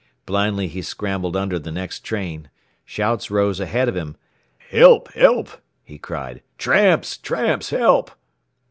Blindly he scrambled under the next train. Shouts rose ahead of him. "Help, help!" he cried. "Tramps! Tramps! Help!"